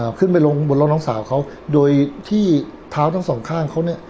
ขึ้นไปลงบนรถน้องสาวเขาโดยที่เท้าทั้งสองข้างเขาเนี้ย